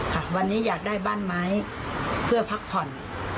ค่ะวันนี้อยากได้บ้านไม้เพื่อพักผ่อน